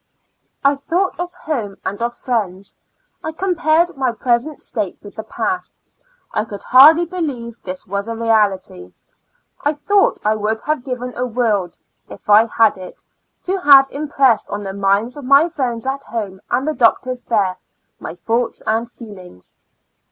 I though of home and of friends; I com pared my present state with the past; I could hardly believe this was a reality. I thought I would have given a world, if I had it, to have impressed on the minds of my friends at home, and the doctors there, my thoughts and feelings.